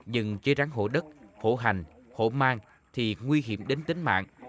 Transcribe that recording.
nhưng chế rắn hổ đất hổ hành hổ mang thì nguy hiểm đến tính mạng